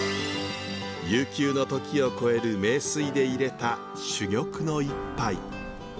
悠久の時を超える名水でいれた珠玉の一杯。